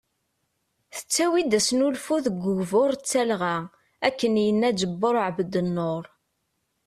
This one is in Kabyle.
Tettawi-d asnulfu deg ugbur d talɣa ,akken yenna Ǧebur Ɛebdnur.